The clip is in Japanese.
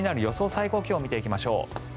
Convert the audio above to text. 最高気温見ていきましょう。